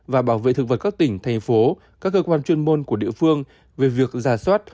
và bảo vệ thực vật các tỉnh thành phố các cơ quan chuyên môn của địa phương về việc giả soát